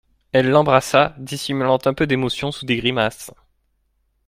Elle l'embrassa, dissimulant un peu d'émotion sous des grimaces.